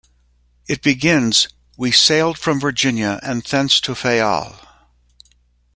It begins "We sailed from Virginia and thence to Fayal".